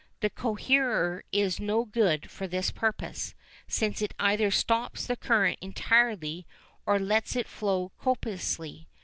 The coherer is no good for this purpose, since it either stops the current entirely or lets it flow copiously.